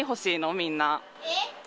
みんな。